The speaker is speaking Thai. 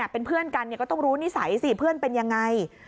เป็นเพื่อนกันก็ต้องรู้นิสัยสิเพื่อนเป็นยังไง